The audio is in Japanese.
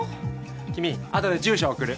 君後で住所送る。